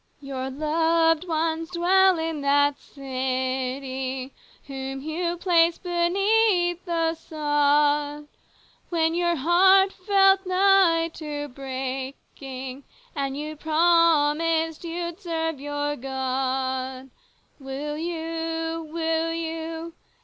" Your loved ones dwell in that city, Whom you placed beneath the sod, When your heart felt nigh to breaking And you promised you'd serve your God. Will you ? will you